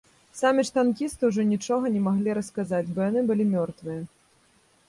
Самі ж танкісты ўжо нічога не маглі расказаць, бо яны былі мёртвыя.